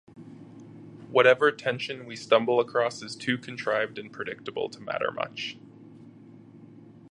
Whatever tension we stumble across is too contrived and predictable to matter much.